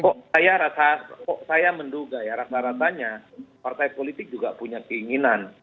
kok saya menduga ya rata ratanya partai politik juga punya keinginan